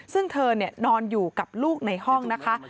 ซึ่งเธอนอนอยู่กับลูกในห้องนะคะ